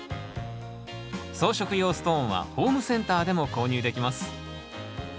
装飾用ストーンはホームセンターでも購入できます。